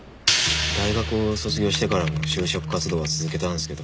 大学を卒業してからも就職活動は続けたんですけど。